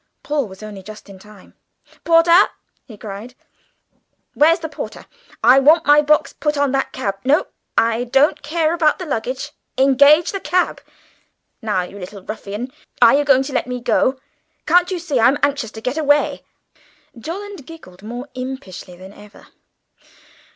Paul was only just in time. "Porter!" he cried. "Where's that porter? I want my box put on that cab. No, I don't care about the luggage; engage the cab. Now, you little ruffian, are you going to let me go? Can't you see I'm anxious to get away?" Jolland giggled more impishly than ever.